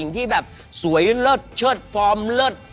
ที่แบบสวยเลิศเชิดฟอร์มเลิศ